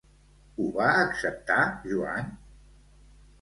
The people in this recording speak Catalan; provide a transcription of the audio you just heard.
Ho va acceptar Joan?